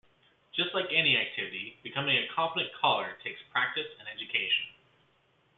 Just like any activity, becoming a competent caller takes practice and education.